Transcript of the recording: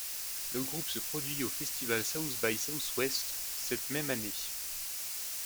Le groupe se produit au festival South by Southwest cette même année.